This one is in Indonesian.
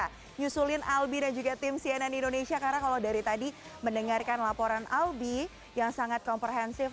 kita nyusulin albi dan juga tim cnn indonesia karena kalau dari tadi mendengarkan laporan albi yang sangat komprehensif